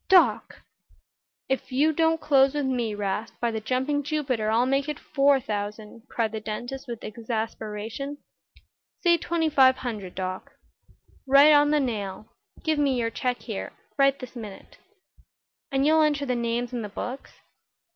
"Doc!" "If you don't close with me, 'Rast, by the jumping Jupiter, I'll make it four thousand," cried the dentist, with exasperation. "Say twenty five hundred, Doc." "Right on the nail. Give me your check here this minute." "And you'll enter the names in the books?"